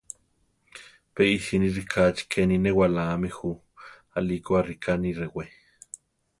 Pe isíni rikáchi keni newalámi ju; alíko arika ni rewé.